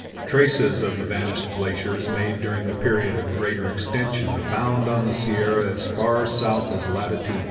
Traces of the vanished glaciers made during the period of greater extension abound on the Sierra as far south as latitude 36°.